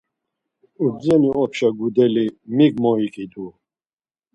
Urdzeni opşa gudeli mik moyǩidu?